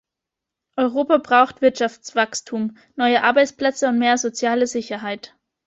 Europa braucht Wirtschaftswachstum, neue Arbeitsplätze und mehr soziale Sicherheit.